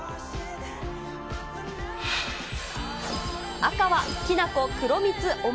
赤はきな粉、黒蜜、お餅。